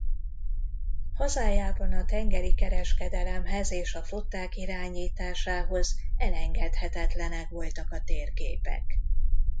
Hazájában a tengeri kereskedelemhez és a flották irányításához elengedhetetlenek voltak a térképek.